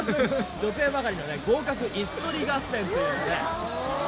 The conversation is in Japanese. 女性ばかりの合格いす取り合戦というね。